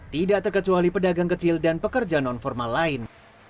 tidak terkecuali pedagang kecil dan pekerja non formal lain